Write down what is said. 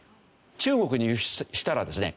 中国に輸出したらですね